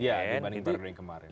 ya dibandingkan periode yang kemarin